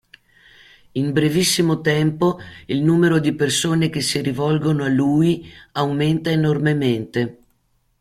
In brevissimo tempo il numero di persone che si rivolgono a lui aumenta enormemente.